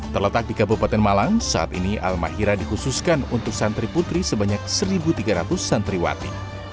terletak di kabupaten malang saat ini al mahira dikhususkan untuk santri putri sebanyak satu tiga ratus santri wati